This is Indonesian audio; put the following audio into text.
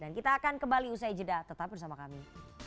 dan kita akan kembali usai jeda tetap bersama kami